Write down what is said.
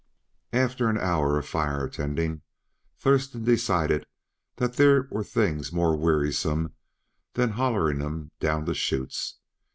After an hour of fire tending Thurston decided that there were things more wearisome than "hollering 'em down the chutes."